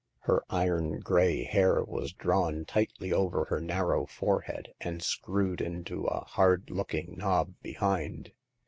Her iron gray hair was drawn tightly off her narrow forehead and screwed into a hard looking knob behind.